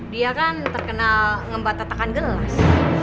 dia kan terkenal ngembat tatakan gelas